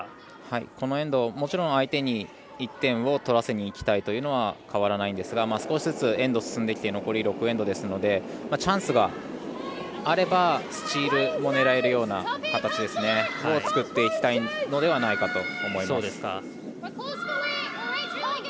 もちろん相手に１点を取らせにいきたいというのは変わらないんですが少しずつエンド進んできて残り６エンドですのでチャンスがあればスチールも狙えるような形を作っていきたいのではないかと思います。